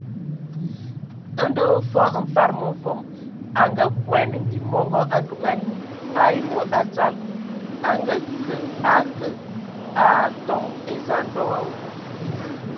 Ndɔ hm fɔɔ Mfad mevom a nganguan mbim mɔngɔ, a dugan ai wɔ a dzal, a ngeakə a atoŋ eza ndoŋ awu.